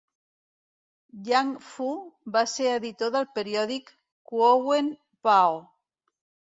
Yan Fu va ser editor del periòdic "Guowen Bao".